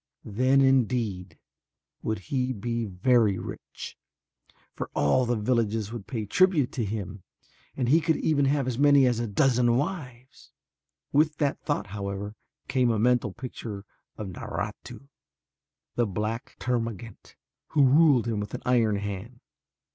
Then indeed, would he be very rich, for all the villages would pay tribute to him and he could even have as many as a dozen wives. With that thought, however, came a mental picture of Naratu, the black termagant, who ruled him with an iron hand.